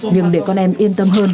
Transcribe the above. nhưng để con em yên tâm hơn